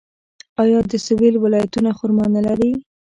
آیا د سویل ولایتونه خرما نلري؟